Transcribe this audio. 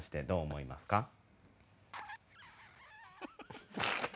どう思いますか？